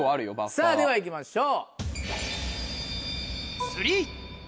さぁでは行きましょう。